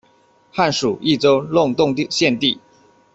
汉属益州弄栋县地。